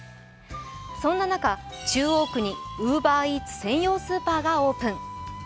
そんな中、中央区にＵｂｅｒＥａｔｓ専用スーパーがオープン。